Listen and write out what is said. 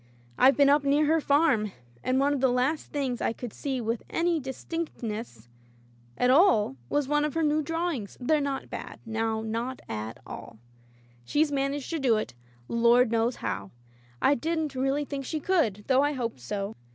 I've been up near her farm, and one of the last things I could see with any distinct ness at all was one of her new drawings. They're not bad, now — not at all. She's Digitized by LjOOQ IC E. Holbrookes Patience managed to do it — Lord knows how. I didn't really think she could, though I hoped so.